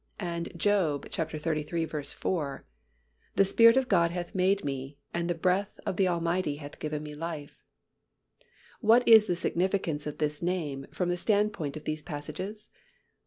And Job xxxiii. 4, "The Spirit of God hath made me, and the breath of the Almighty hath given me life." What is the significance of this name from the standpoint of these passages?